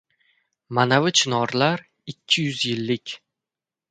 Manavi chinorlar ikki yuz yillik